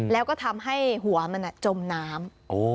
แล้วก็ทำให้หัวมันจมน้ำ